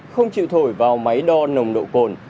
không chịu thổi vào máy đo nồng độ cồn